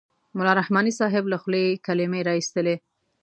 ملا رحماني صاحب له خولې یې کلمې را اېستلې.